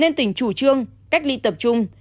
nên tỉnh chủ trương cách ly tập trung